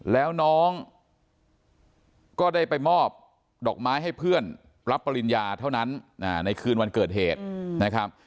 แล้วน้องก็ได้ไปมอบดอกไม้ให้เพื่อนรับปริญญาเท่านั้นในคืนวันเกิดเหตุนะครับ